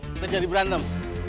kita jadi berantem